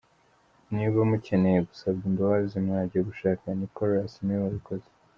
Niba mukeneye gusabwa imbabazi, mwajya gushaka Nicholas niwe wabikoze.